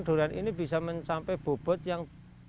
durian ini bisa mencapai bobot yang